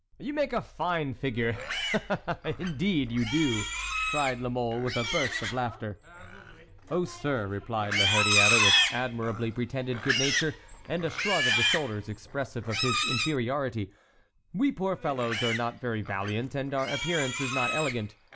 "You make a fine figure, indeed you do!" cried La Mole, with a burst of laughter. "Oh, sir," replied La Hurière with admirably pretended good nature and a shrug of the shoulders expressive of his inferiority, "we poor fellows are not very valiant and our appearance is not elegant.